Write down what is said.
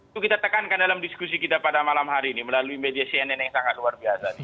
itu kita tekankan dalam diskusi kita pada malam hari ini melalui media cnn yang sangat luar biasa